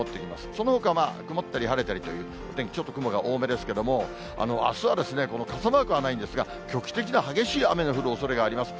そのほかは、曇ったり晴れたりというお天気、ちょっと雲が多めですけれども、あすはこの傘マークはないんですが、局地的な激しい雨の降るおそれがあります。